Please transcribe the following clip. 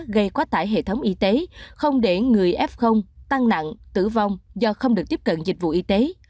gây quá tải hệ thống y tế không để người f tăng nặng tử vong do không được tiếp cận dịch vụ y tế